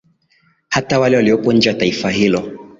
hata wale waliopo nje ya taifa hilo